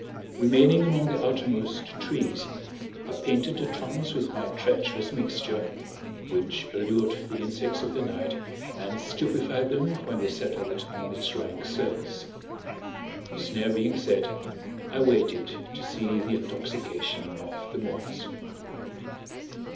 Remaining among the outermost trees, I painted the trunks with my treacherous mixture which allured the insects of the night, and stupefied them when they settled on its rank surface. The snare being set, I waited to see the intoxication of the moths.